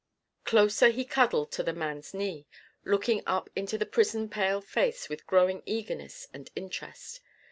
Closer he cuddled to the man's knee, looking up into the prison pale face with growing eagerness and interest.